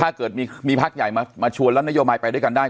ถ้าเกิดมีพักใหญ่มาชวนแล้วนโยบายไปด้วยกันได้